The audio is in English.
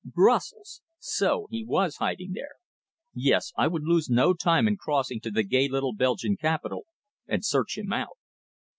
Brussels! So he was hiding there. Yes, I would lose no time in crossing to the gay little Belgian capital and search him out.